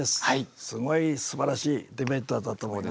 すごいすばらしいディベートだったと思います。